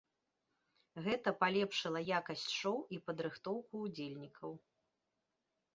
Гэта палепшыла якасць шоу і падрыхтоўку ўдзельнікаў.